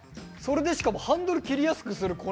それでしかもハンドル切りやすくする